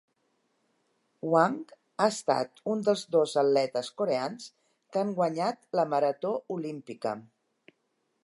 Hwang ha estat un dels dos atletes coreans que han guanyat la marató olímpica.